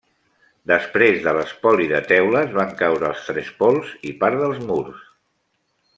Després de l’espoli de teules van caure els trespols i part dels murs.